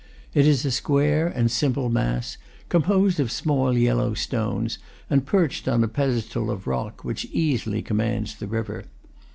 It is a square and simple mass, composed of small yellow stones, and perched on a pedestal of rock which easily commands the river.